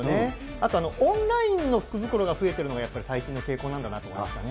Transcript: あと、オンラインの福袋が増えているのが、最近の傾向なんだなと思いましたね。